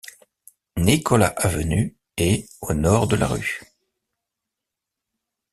Nicholas Avenue et au nord de la Rue.